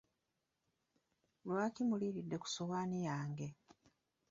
Lwaki muliiridde ku ssowaani yange?